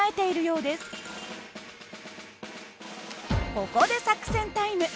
ここで作戦タイム。